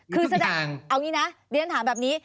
คือออกจากนี้นะเรียกมีถามแบบนี้